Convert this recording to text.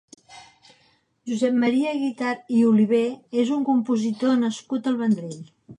Josep Maria Guitart i Oliver és un compositor nascut al Vendrell.